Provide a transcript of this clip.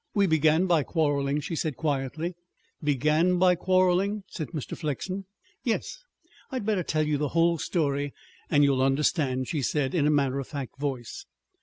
"We began by quarrelling," she said quietly. "Began by quarrelling?" said Mr. Flexen. "Yes. I'd better tell you the whole story, and you'll understand," she said in a matter of fact voice.